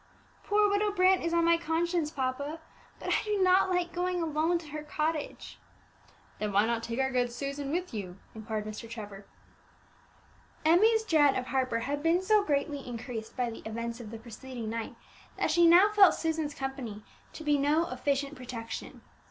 Poor Widow Brant is on my conscience, papa; but I do not like going alone to her cottage." "Then why not take our good Susan with you?" inquired Mr. Trevor. Emmie's dread of Harper had been so greatly increased by the events of the preceding night, that she now felt Susan's company to be no efficient protection.